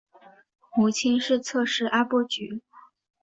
母亲是侧室阿波局。